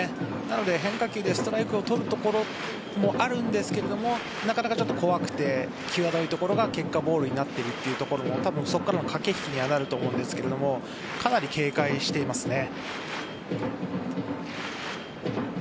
変化球でストライクを取るところもあるんですがなかなか怖くて際どいところが結果ボールになっているというところもそこからの駆け引きにはなると思うんですがかなり警戒していますね。